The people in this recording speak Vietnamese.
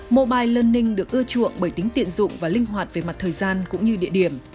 mobile learning được ưa chuộng bởi tính tiện dụng và linh hoạt về mặt thời gian cũng như địa điểm